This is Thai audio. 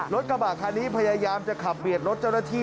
รถกระบะคันนี้พยายามจะขับเบียดรถเจ้าหน้าที่